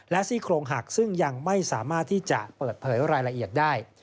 ซี่โครงหักซึ่งยังไม่สามารถที่จะเปิดเผยรายละเอียดได้